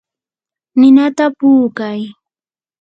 ninata puukay.